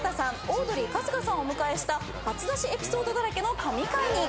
オードリー春日さんをお迎えした初出しエピソードだらけの神回に。